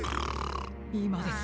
いまです。